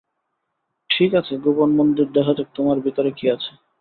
ঠিক আছে, গোপন মন্দির, দেখা যাক তোমার ভিতরে কী আছে।